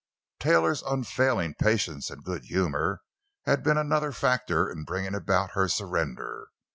Taylor's unfailing patience and good humor had been another factor in bringing about her surrender.